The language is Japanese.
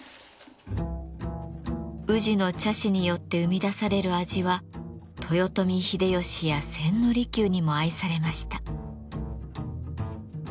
宇治の茶師によって生み出される味は豊臣秀吉や千利休にも愛されました。